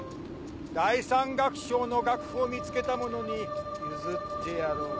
第三楽章の楽譜を見つけた者に譲ってやろう。